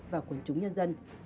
và quân chúng nhân dân